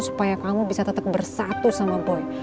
supaya kamu bisa tetap bersatu sama boy